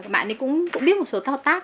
bạn ấy cũng biết một số tao tác